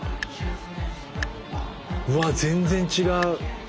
うわ全然違う！